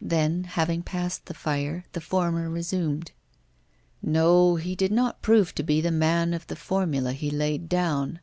Then, having passed the fire, the former resumed: 'No, he did not prove to be the man of the formula he laid down.